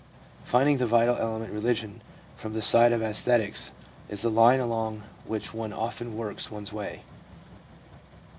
Finding the vital element in religion from the side of (esthetics is the line along which one often works one's way.